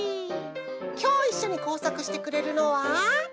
きょういっしょにこうさくしてくれるのは。